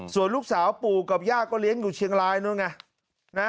ส่วนลูกสาวปู่กับย่าก็เลี้ยงอยู่เชียงรายนู้นไง